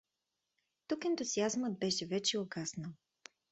Тук ентусиазмът беше вече угаснал.